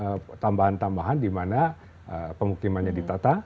tetapi diberikan tambahan tambahan dimana pengukimannya ditata